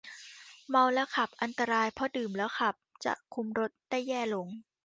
เมาแล้วขับอันตรายเพราะดื่มแล้วขับจะคุมรถได้แย่ลง